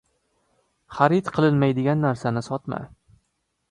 — Xarid qilinmaydigan narsani sotma.